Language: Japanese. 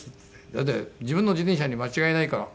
だって自分の自転車に間違いないから。